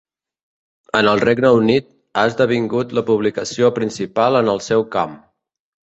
En el Regne Unit, ha esdevingut la publicació principal en el seu camp.